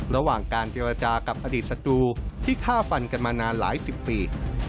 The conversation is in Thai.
ระหว่างการเจรจากับอดีตศัตรูที่ฆ่าฟันกันมานานหลายสิบปี